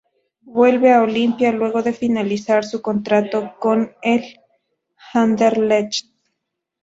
Vuelve a Olimpia luego de finalizar su contrato con el Anderlecht.